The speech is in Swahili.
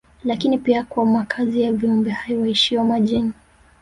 Lakini pia kwa makazi ya viumbe hai waishio majini